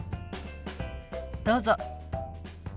どうぞ。